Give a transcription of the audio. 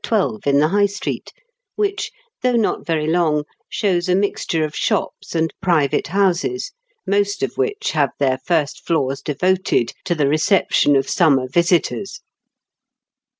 12, in the High Street, which, though not very long, shows a mixture of shops and private houses, most of which have their first floors devoted to the reception of summer visitors.